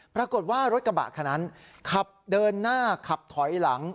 ปรากฏว่ารถกระบะคันนั้นขับเดินหน้าขับถอยหลัง